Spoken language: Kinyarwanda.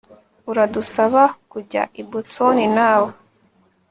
Uradusaba kujya i Boston nawe